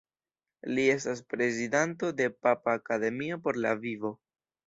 Li estas prezidanto de Papa Akademio por la vivo.